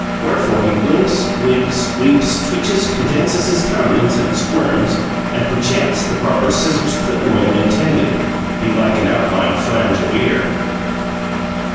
Wherefore he blinks, winks, weeps, twitches, condenses his countenance, and squirms; and perchance the barber's scissors clip more than intended belike an outlying flange of ear.